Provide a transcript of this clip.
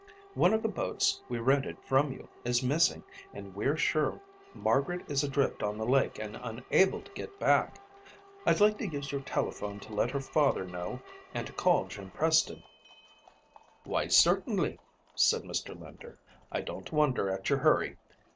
One of the boats we rented from you is missing and we're sure Margaret is adrift on the lake and unable to get back. I'd like to use your telephone to let her father know and to call Jim Preston." "Why, certainly," said Mr. Linder, "I don't wonder at your hurry.